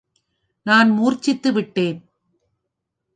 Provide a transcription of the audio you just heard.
நான் மூர்ச்சித்து விட்டேன்.